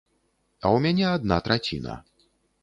А ў мяне адна траціна.